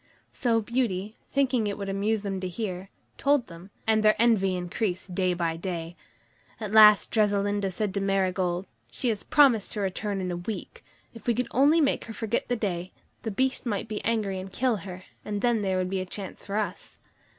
So Beauty, thinking it would amuse them to hear, told them, and their envy increased day by day. At last Dressalinda said to Marigold: "She has promised to return in a week. If we could only make her forget the day, the Beast might be angry and kill her, and then there would be a chance for us."